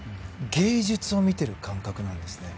芸術を見ている感覚なんです。